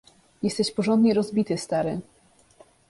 „Jesteś porządnie rozbity, stary.